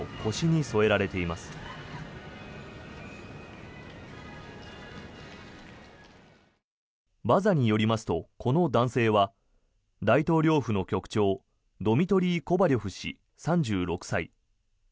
ＢＡＺＡによりますとこの男性は大統領府の局長ドミトリー・コバリョフ氏３６歳。